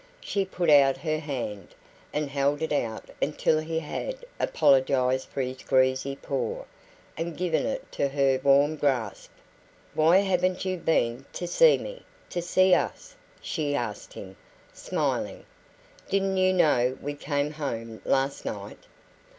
She put out her hand, and held it out until he had apologised for his greasy paw, and given it to her warm grasp. "Why haven't you been to see me to see us?" she asked him, smiling. "Didn't you know we came home last night?"